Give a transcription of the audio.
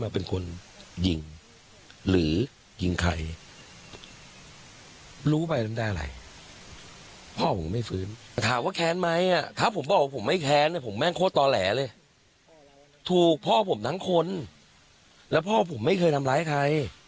ผมไม่แค้นผมแม่งโคตรต่อแหลเลยถูกพ่อผมทั้งคนแล้วพ่อผมไม่เคยทำร้ายใคร